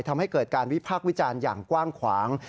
ทำให้เกิดการวิพากษ์วิจารณ์อย่างกว้างขวาง